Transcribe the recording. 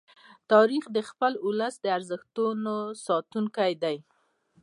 تاریخ د خپل ولس د ارزښتونو ساتونکی دی.